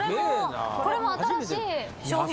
これも新しい商品。